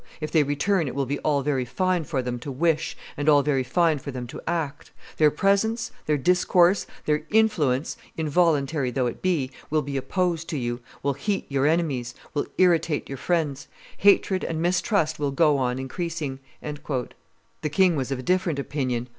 If they return, it will be all very fine for them to wish, and all very fine for them to act; their presence, their discourse, their influence, involuntary though it be, will be opposed to you, will heat your enemies, will irritate your friends; hatred and mistrust will go on increasing." The king was of a different opinion.